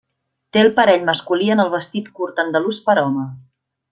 Té el parell masculí en el vestit curt andalús per a home.